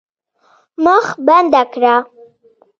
مخ بنده کړه.